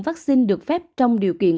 vaccine được phép trong điều kiện